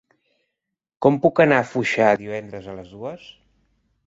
Com puc anar a Foixà divendres a les dues?